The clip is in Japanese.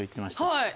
はい。